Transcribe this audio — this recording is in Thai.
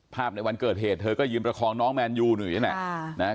ภาพในวันเกิดเหตุเธอก็ยืนประคองน้องแมนยูนอยู่อย่างนั้น